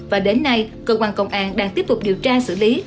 và đến nay cơ quan công an đang tiếp tục điều tra xử lý